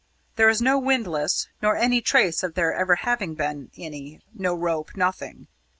There is no windlass nor any trace of there ever having been any no rope nothing.